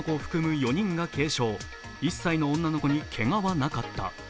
４人が軽傷、１歳の女の子にけがはなかった。